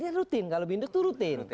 ya rutin kalau binduk itu rutin